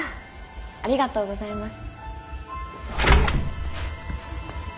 ありがとうございます。